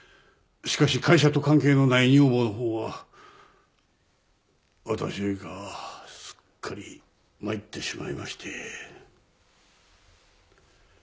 しかし会社と関係のない女房のほうは私よりかすっかり参ってしまいまして。